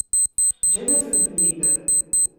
Ǧǧan-asen-tent-id.